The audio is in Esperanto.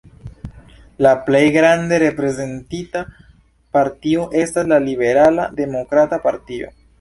La plej grande reprezentita partio estas la Liberala Demokrata Partio.